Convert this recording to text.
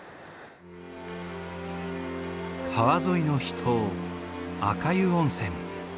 川沿いの秘湯赤湯温泉。